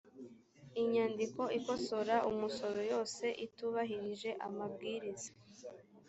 inyandiko ikosora umusoro yose itubahirije amabwiriza